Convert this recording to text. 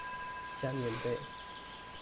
加棉被